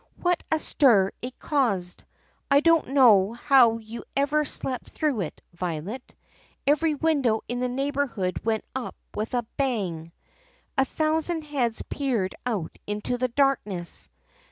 What a stir it caused ! I don't know how you ever slept through it, Violet. Every window in the neighborhood went up with a bang. A thousand heads peered out into the darkness.